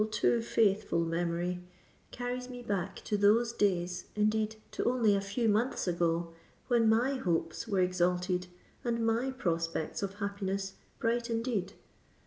too faithful memory—carries me back to those days—indeed, to only a few months ago, when my hopes were exalted and my prospects of happiness bright indeed.